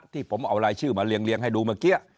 ที่ผมเอารายชื่อมาเรียงให้ดูเมื่อกี้